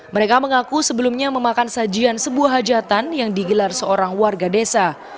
mereka mengaku sebelumnya memakan sajian sebuah hajatan yang digelar seorang warga desa